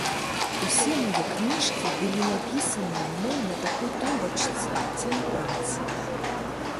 Усе мае кніжкі былі напісаныя мной на такой тумбачцы ці на працы.